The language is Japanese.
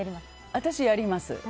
私、やります。